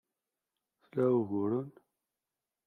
Tla uguren?